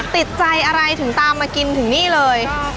ติดใจอะไรถึงตามมากินถึงนี่เลย